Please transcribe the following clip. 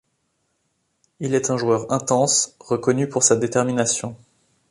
Il est un joueur intense, reconnu pour sa détermination.